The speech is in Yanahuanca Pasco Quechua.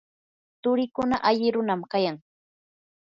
turiikuna alli runam kayan.